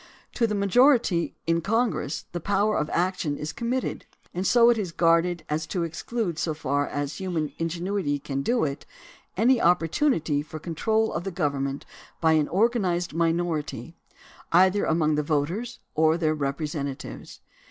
To the majority in Congress the power of action is committed, and it is so guarded as to exclude so far as human ingenuity can do it any opportunity for the control of the government by an organized minority 138 THE DEMOCRACY OF ABRAHAM LINCOLN either among the voters or their representatives.